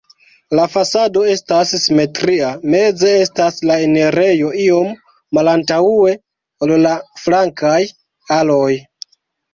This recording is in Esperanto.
La fasado estas simetria, meze estas la enirejo iom malantaŭe, ol la flankaj aloj.